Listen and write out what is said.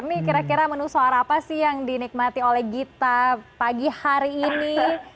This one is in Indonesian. ini kira kira menu suara apa sih yang dinikmati oleh gita pagi hari ini